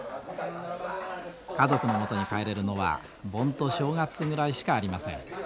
家族のもとに帰れるのは盆と正月ぐらいしかありません。